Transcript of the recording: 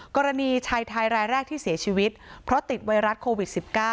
กรณีชายไทยรายแรกที่เสียชีวิตเพราะติดไวรัสโควิด๑๙